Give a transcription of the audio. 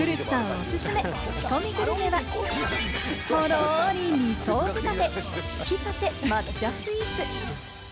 おすすめ、クチコミグルメは、とろり２層仕立て、挽き立て抹茶スイーツ。